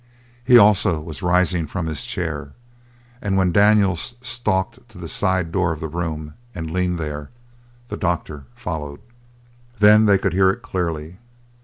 He, also, was rising from his chair, and when Daniels stalked to the side door of the room and leaned there, the doctor followed. Then they could hear it clearly.